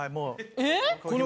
えっ⁉